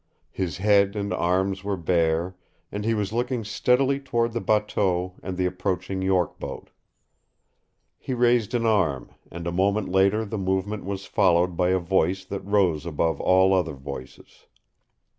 His head and arms were bare, and he was looking steadily toward the bateau and the approaching York boat. He raised an arm, and a moment later the movement was followed by a voice that rose above all other voices.